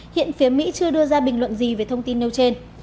hiện phía mỹ chưa đưa ra bình luận gì về thông tin nêu trên